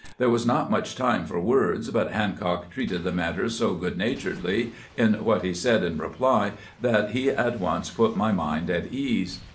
There was not much time for words, but Hancock treated the matter so good naturedly in what he said in reply that he at once put my mind at ease.